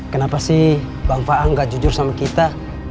kenapa sih bang faa gak jujur sama kita